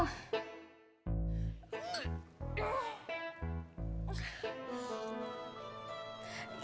tau tau perut saya mual